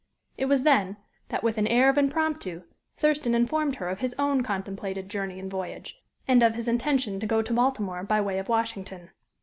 It was then that, with an air of impromptu, Thurston informed her of his own contemplated journey and voyage, and of his intention to go to Baltimore by way of Washington.